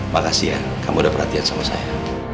makasih ya kamu udah perhatian sama saya